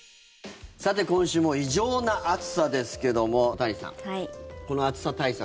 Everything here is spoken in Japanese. さて今週も異常な暑さですけども谷さん、この暑さ対策。